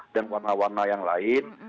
dan warna warna yang lain